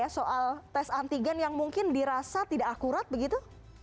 soal tes antigen yang mungkin dirasa tidak akurat begitu